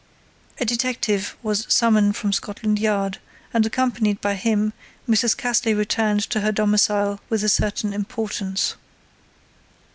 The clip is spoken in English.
A detective was summoned from Scotland Yard and accompanied by him Mrs. Cassley returned to her domicile with a certain importance.